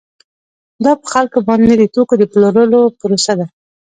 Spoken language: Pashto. دا په خلکو باندې د توکو د پلورلو پروسه ده